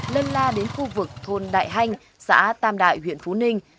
lân la đến khu vực thôn đại hanh xã tam đại huyện phú ninh